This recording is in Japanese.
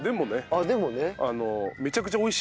あっでもね。